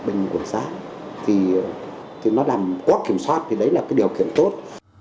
bình của giá thì thì nó làm quá kiểm soát thì đấy là cái điều kiện tốt